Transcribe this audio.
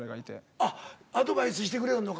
あっアドバイスしてくれるのか。